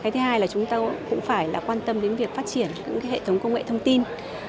thứ hai là chúng tôi cũng phải quan tâm đến việc phát triển hệ thống công nghệ thông tin